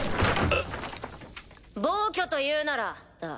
暴挙というならだ。